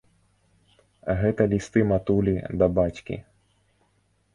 Гэта лісты матулі да бацькі.